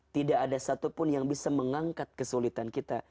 tidak ada satupun yang bisa mengangkat kesulitan kita